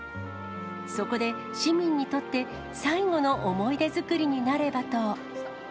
そこで、市民にとって最後の思い出作りになればと。